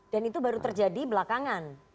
dan itu baru terjadi belakangan